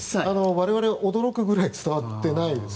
我々、驚くぐらい伝わっていないです。